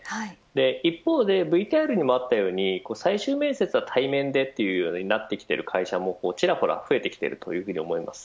一方でＶＴＲにもあったように最終面接は対面でというふうになっている会社もちらほら増えてきていると思います。